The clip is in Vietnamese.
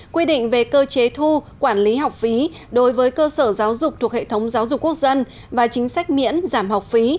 quy định về cơ chế thu quản lý học phí đối với cơ sở giáo dục thuộc hệ thống giáo dục quốc dân và chính sách miễn giảm học phí